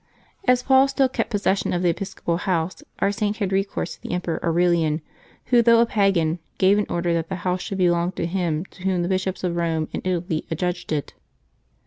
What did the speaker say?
As Paul still kept possession of the episcopal house, our Saint had recourse to the Emperor Aurelian, who, though a pagan, gave an order that the house should be long to him to whom the bishops of Eome and Italy ad judged it.